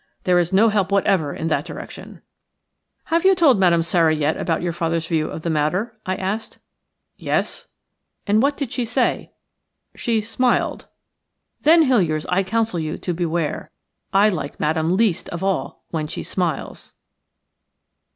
There is no help whatever m that direction." "Have you told Madame Sara yet about your father's view of the matter?" I asked. "Yes." "And what did she say?" "She smiled." "Then, Hiliers, I counsel you to beware. I like Madame least of all when she smiles."